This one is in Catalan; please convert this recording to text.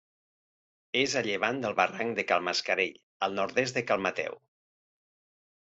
És a llevant del barranc de Cal Mascarell, al nord-est de Cal Mateu.